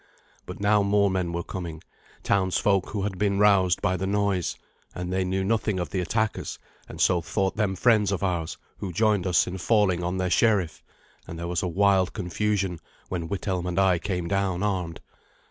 But now more men were coming townsfolk who had been roused by the noise and they knew nothing of the attackers, and so thought them friends of ours, who joined us in falling on their sheriff; and there was a wild confusion when Withelm and I came down armed.